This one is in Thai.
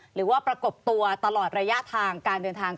ประกบตัวตลอดระยะทางการเดินทาง